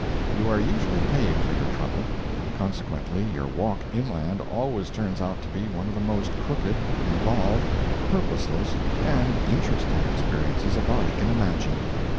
You are usually paid for your trouble; consequently, your walk inland always turns out to be one of the most crooked, involved, purposeless, and interesting experiences a body can imagine.